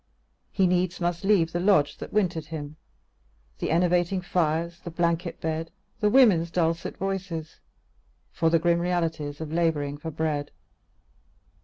He needs must leave the lodge that wintered him, The enervating fires, the blanket bed The women's dulcet voices, for the grim Realities of labouring for bread.